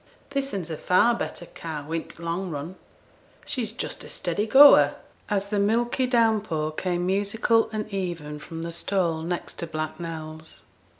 This'n 's a far better cow i' t' long run, she's just a steady goer,' as the milky down pour came musical and even from the stall next to Black Nell's.